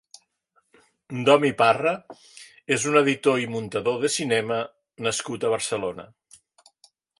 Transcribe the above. Domi Parra és un editor i muntador de cinema nascut a Barcelona.